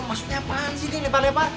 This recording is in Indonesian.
lu maksudnya apaan sih ini lempar lemar